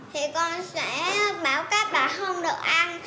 thì con sẽ bảo các bạn không được ăn